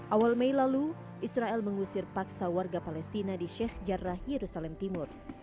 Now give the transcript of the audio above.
awal mei lalu israel mengusir paksa warga palestina di sheikh jarrah yerusalem timur